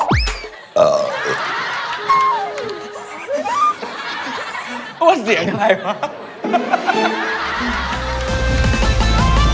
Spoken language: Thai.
ว่าเสียงอะไรวะ